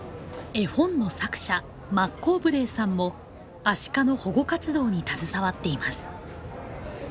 絵本の作者マッコーブレーさんもアシカの保護活動に携わっています。